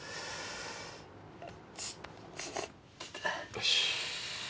よし。